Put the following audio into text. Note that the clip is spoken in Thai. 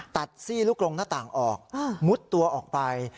ซี่ลูกลงหน้าต่างออกมุดตัวออกไป